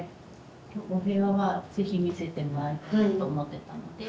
お部屋は是非見せてもらいたいと思ってたので。